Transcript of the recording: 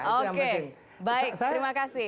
oke baik terima kasih